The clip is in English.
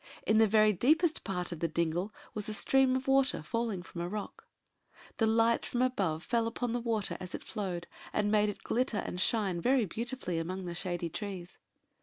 In the very deepest part of the dingle was a stream of water falling from a rock. The light from above fell upon the water as it flowed, and made it glitter and shine very beautifully among the shady trees.